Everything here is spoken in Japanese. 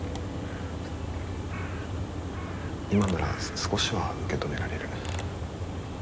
今なら少しは受け止められる。